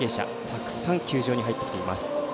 たくさん球場に入ってきています。